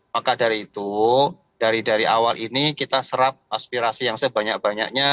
maka dari itu dari awal ini kita serap aspirasi yang sebanyak banyaknya